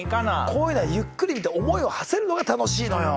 こういうのはゆっくり見て思いをはせるのが楽しいのよ。